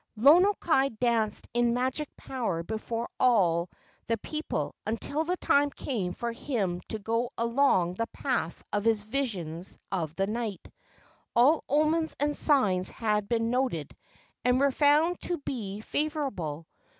Lono kai danced in magic power before all the KE A U NINI 209 people until the time came for him to go along the path of his visions of the night. All omens and signs had been noted and were found to be favorable.